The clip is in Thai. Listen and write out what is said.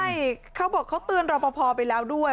ใช่เขาบอกเขาเตือนรอปภไปแล้วด้วย